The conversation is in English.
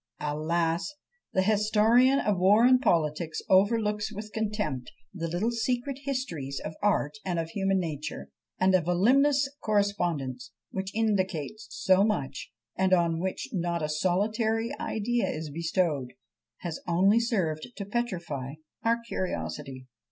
Alas! the historian of war and politics overlooks with contempt the little secret histories of art and of human nature! and "a voluminous correspondence" which indicates so much, and on which not a solitary idea is bestowed, has only served to petrify our curiosity!